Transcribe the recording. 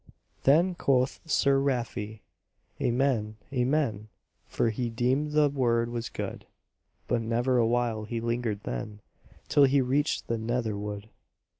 Then quoth Sir Rafe, "Amen, amen!" For he deemed the word was good; But never a while he lingered then Till he reached the Nether Wood.